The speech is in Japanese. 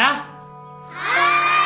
はい。